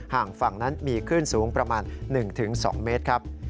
ห่างฝั่งนั้นมีคลื่นสูงประมาณ๑๒เมตรครับ